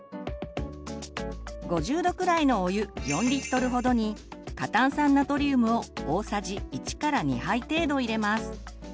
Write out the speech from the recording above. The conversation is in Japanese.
５０℃くらいのお湯４ほどに過炭酸ナトリウムを大さじ１２杯程度入れます。